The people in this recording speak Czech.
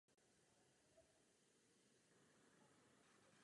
Byl to první prohlížeč s grafickým uživatelským rozhraním.